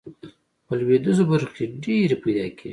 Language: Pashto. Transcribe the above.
په لویدیځو برخو کې ډیرې پیداکیږي.